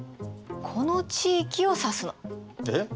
この地域を指すの。え？